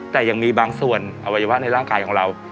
แต่ยังมีบางส่วนอวัยวะในร่างกายของเรา